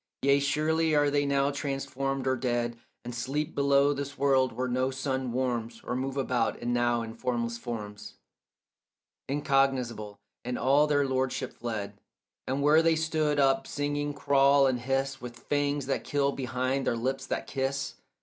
Yea, surely are they now transformed or dead, And sleep below this world, where no sun warms, Or move about it now in formless forms Incognizable, and all their lordship fled; And where they stood up singing crawl and hiss, With fangs that kill behind their lips that kiss.